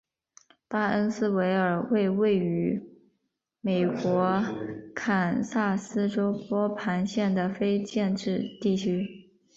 巴恩斯维尔为位在美国堪萨斯州波旁县的非建制地区。